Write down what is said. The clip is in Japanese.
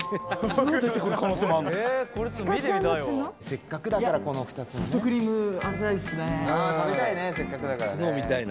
「せっかくだからこの２つをね」「食べたいねせっかくだからね」